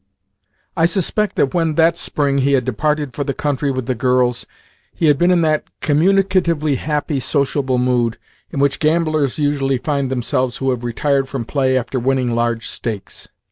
I suspect that when, that spring, he had departed for the country with the girls, he had been in that communicatively happy, sociable mood in which gamblers usually find themselves who have retired from play after winning large stakes.